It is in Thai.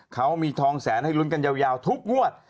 เขามีทองแสนให้ลุ้นกันยาวทุกงวด